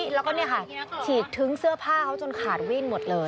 แล้วก็เนี่ยค่ะฉีดทิ้งเสื้อผ้าเขาจนขาดวิ่นหมดเลย